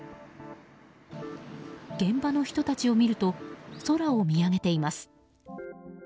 現場の人たちを見ると空を見上げています。